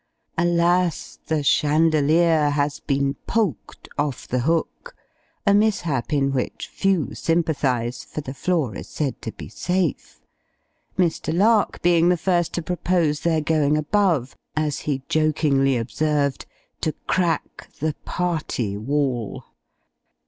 Alas! the chandelier has been polked off the hook a mishap in which few sympathise, for the floor is said to be safe; Mr. Lark being the first to propose their going above, as he jokingly observed to crack the party wall.